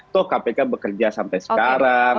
toh kpk bekerja sampai sekarang